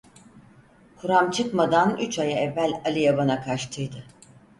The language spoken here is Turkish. Kuram çıkmadan üç ay evvel Aliye bana kaçtıydı.